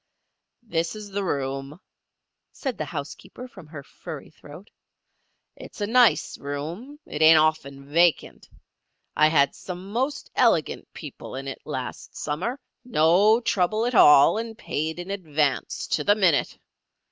"This is the room," said the housekeeper, from her furry throat. "It's a nice room. It ain't often vacant. I had some most elegant people in it last summer—no trouble at all, and paid in advance to the minute.